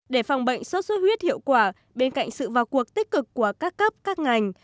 để phòng bệnh sốt xuất huyết hiệu quả bên cạnh sự vào cuộc tích cực của các cấp các ngành